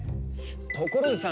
ところでさ